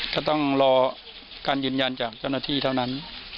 ก็ต้องรอการยืนยันจากเจ้าหน้าที่เท่านั้น